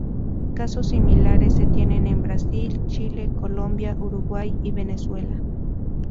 Casos similares, se tiene en Brasil, Chile, Colombia, Uruguay y Venezuela.